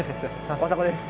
大迫です。